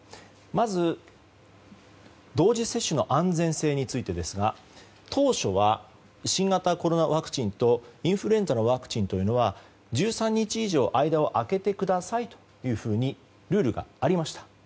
まず、同時接種の安全性についてですが当初は、新型コロナワクチンとインフルエンザのワクチンというのは１３日以上間を空けてくださいというふうにルールがありました。